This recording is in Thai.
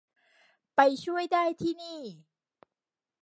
ไปช่วยได้ที่นี่